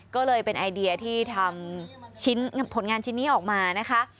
ก็เลยเป็นไอเดียที่ทำผลงานชิ้นนี้ออกมานะคะ